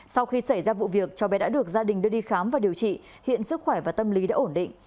sau khi xảy ra vụ việc cháu bé đã được gia đình đưa đi khám và điều trị hiện sức khỏe và tâm lý đã ổn định